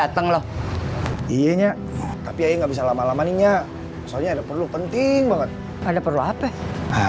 baru dateng loh iya tapi nggak bisa lama lama nihnya soalnya ada perlu penting banget ada perlu apa